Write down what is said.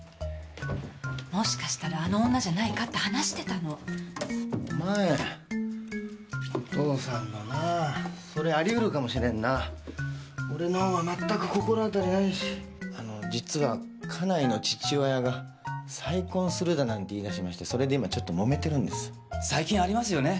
もしかしたらあの女じゃないかって話してたのお前おとうさんのなぁそれあり得るかもしれんな俺のほうは全く心当たりないしあの実は家内の父親が再婚するだなんて言いだしましてそれで今ちょっともめてるんです最近ありますよね